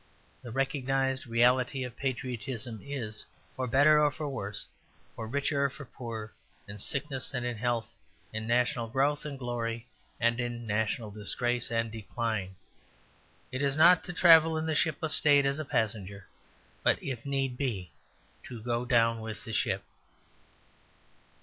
The recognized reality of patriotism is for better for worse, for richer for poorer, in sickness and in health, in national growth and glory and in national disgrace and decline; it is not to travel in the ship of state as a passenger, but if need be to go down with the ship.